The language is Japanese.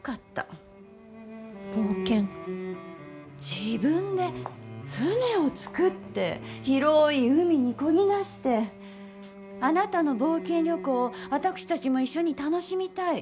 自分で舟を作って広い海にこぎ出してあなたの冒険旅行を私たちも一緒に楽しみたい。